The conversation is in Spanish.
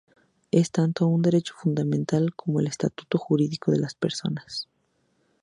Es tanto un derecho fundamental como el estatuto jurídico de las personas.